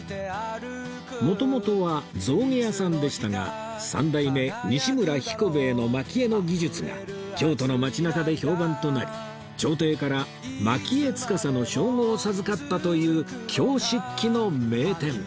元々は象牙屋さんでしたが３代目西村彦兵衛の蒔絵の技術が京都の街中で評判となり朝廷から蒔絵司の称号を授かったという京漆器の名店